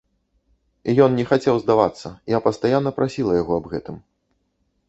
Ён не хацеў здавацца, я пастаянна прасіла яго аб гэтым.